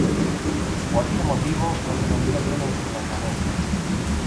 Por ese motivo, no se vendió bien en su lanzamiento.